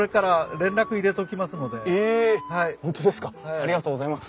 ありがとうございます。